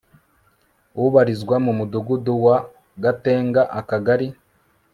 ubarizwa mu mudugudu wa gatenga akagari